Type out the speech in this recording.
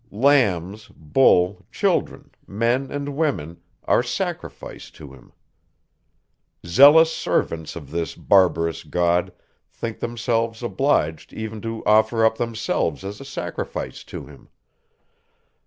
Lambs, bulls, children, men, and women, are sacrificed to him. Zealous servants of this barbarous God think themselves obliged even to offer up themselves as a sacrifice to him.